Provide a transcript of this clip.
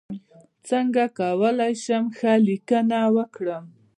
څنګه کولی شم ښه لیکنه وکړم